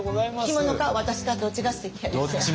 着物か私かどっちがすてきやねんな？